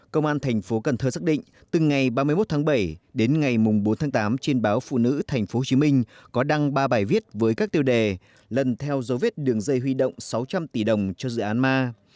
công an thành phố cần thơ xác định từ ngày ba mươi một tháng bảy đến ngày bốn tháng tám trên báo phụ nữ tp hcm có đăng ba bài viết với các tiêu đề lần theo dấu vết đường dây huy động sáu trăm linh tỷ đồng cho dự án ma